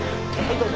どうぞ。